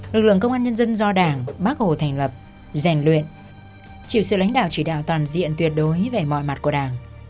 lực lượng công an nhân dân do đảng bác hồ thành lập rèn luyện chịu sự lãnh đạo chỉ đạo toàn diện tuyệt đối về mọi mặt của đảng